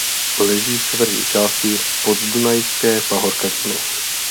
Leží v severní části Podunajské pahorkatiny.